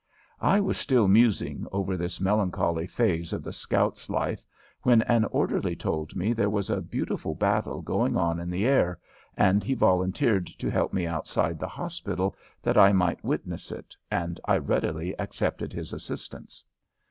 I was still musing over this melancholy phase of the scout's life when an orderly told me there was a beautiful battle going on in the air, and he volunteered to help me outside the hospital that I might witness it, and I readily accepted his assistance.